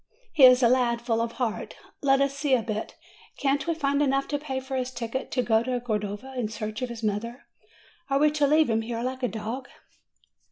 He is a lad full of heart. Let us see a bit. Can't we find enough to pay for his ticket to go to Cordova in search of his mother? Are we to leave him here like a dog?"